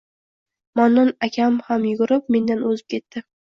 Mannon akam ham yugurib, mendan o`zib ketdi